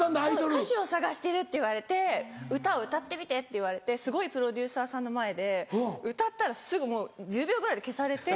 歌手を探してるって言われて歌を歌ってみてって言われてすごいプロデューサーさんの前で歌ったらすぐもう１０秒ぐらいで消されて。